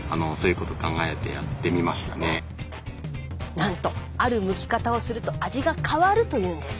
なんとあるむき方をすると味が変わるというんです。